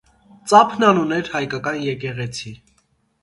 Ծափնան ուներ հայկական եկեղեցի։